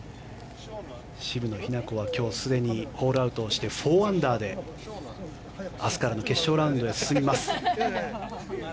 渋野日向子は今日すでにホールアウトして４アンダーで明日からの決勝ラウンドに進みます。